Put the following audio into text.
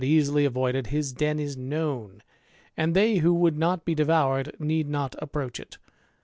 easily avoided; bis den is known, and they who would not be devoured need not approach it.